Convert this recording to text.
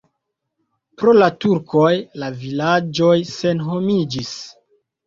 Pro la turkoj la vilaĝoj senhomiĝis.